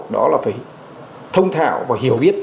đó là phải thông thảo và hiểu biết